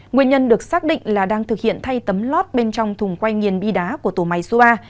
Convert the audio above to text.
nguyên nhân được xác định là đang thực hiện thay tấm lót bên trong thùng quay nghiền bi đá của tổ máy su ba